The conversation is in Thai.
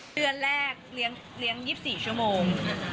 เดือนแรกเลี้ยง๒๔ชั่วโมง